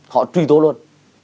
họ truy tố luôn